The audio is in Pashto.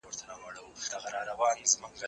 نان د زهشوم له خوا خوړل کيږي،